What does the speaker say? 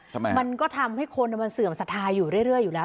ทำไมครับมันก็ทำให้คนมันเสื่อมสถาอยู่เรื่อยอยู่แล้ว